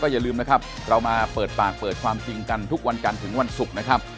ก่อนอื่นก้าวไกลต้องทำยังไง